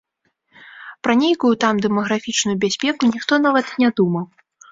Пра нейкую там дэмаграфічную бяспеку ніхто нават і не думаў.